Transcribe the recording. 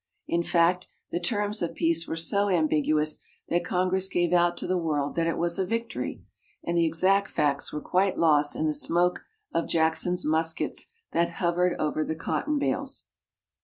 In fact, the terms of peace were so ambiguous that Congress gave out to the world that it was a victory, and the exact facts were quite lost in the smoke of Jackson's muskets that hovered over the cotton bales.